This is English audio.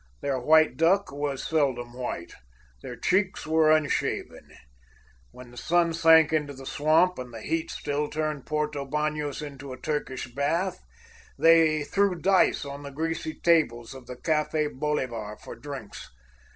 Their white duck was seldom white. Their cheeks were unshaven. When the sun sank into the swamp and the heat still turned Porto Banos into a Turkish bath, they threw dice on the greasy tables of the Café Bolivar for drinks.